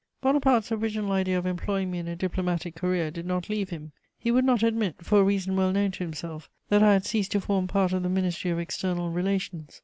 Bonaparte's original idea of employing me in a diplomatic career did not leave him: he would not admit, for a reason well known to himself, that I had ceased to form part of the Ministry of External Relations.